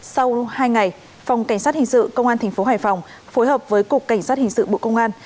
sau hai ngày phòng cảnh sát hình sự công an tp hải phòng phối hợp với cục cảnh sát hình sự bộ công an